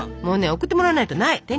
もうね送ってもらわないとない。